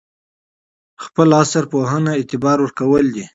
خپل عصر پوهنو اعتبار ورکول دي.